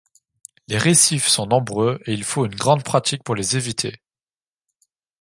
Les récifs sont nombreux et il faut une grande pratique pour les éviter.